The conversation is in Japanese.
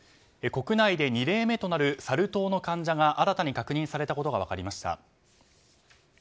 国内で２例目となるサル痘の患者が新たに確認されたことが分かりました。